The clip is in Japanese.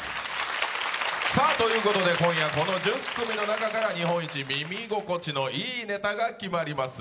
今夜、この１０組の中から日本一耳心地のいいネタが決まります。